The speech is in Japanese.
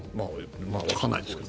わからないけど。